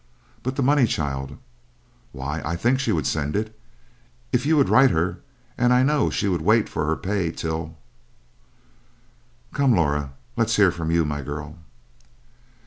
"But the money, child?" "Why I think she would send it, if you would write her and I know she would wait for her pay till " "Come, Laura, let's hear from you, my girl."